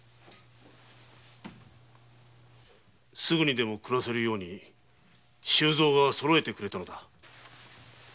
すぐにでも暮らせるように周蔵がそろえてくれたのだ。